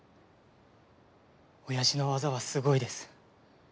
親父の技はすごいです。